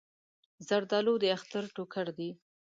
زردالو د اختر ټوکر دی.